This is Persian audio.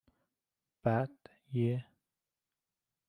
بعد یه